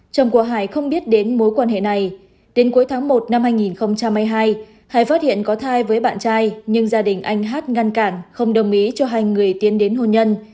chồng của hải không biết đến mối quan hệ này đến cuối tháng một năm hai nghìn hai mươi hai hải phát hiện có thai với bạn trai nhưng gia đình anh hát ngăn cản không đồng ý cho hai người tiến đến hôn nhân